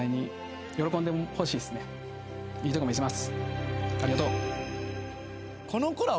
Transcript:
いいとこ見せます！